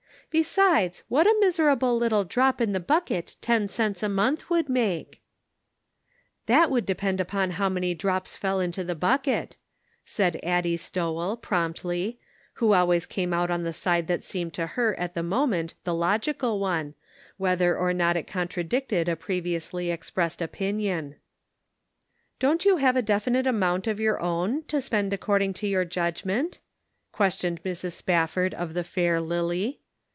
Besides, what a miserable little drop in the bucket ten cents a month would make !"" That would depend upon how man}' drops fell into the bucket," said Addie Stowell, promptly, who always came out on the side that seemed to her at the moment the logical one, whether or not it contradicted a previously expressed opinion. " Don't you have a definite amount of your own, to spend according to your judgment ?" questioned Mrs. Spafford of the fair Lily.